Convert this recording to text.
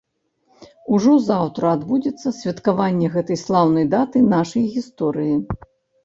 Ужо заўтра адбудзецца святкаванне гэтай слаўнай даты нашай гісторыі.